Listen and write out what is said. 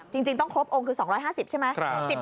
จริงต้องครบองค์คือ๒๕๐ใช่ไหม